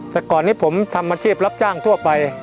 แต่ก่อนนี้ผมทำอาชีพรับจ้างทั่วไป